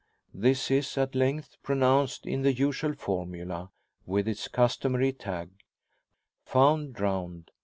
This is at length pronounced in the usual formula, with its customary tag: "Found Drowned.